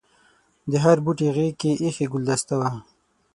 د هر بوټي غېږ کې ایښي ګلدسته وه.